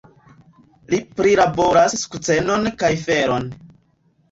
Li prilaboras sukcenon kaj feron.